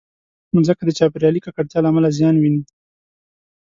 مځکه د چاپېریالي ککړتیا له امله زیان ویني.